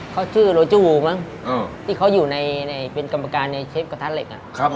เขาชื่อโรจูมั้งที่เขาอยู่ในเป็นกรรมการในเชฟกระทะเหล็ก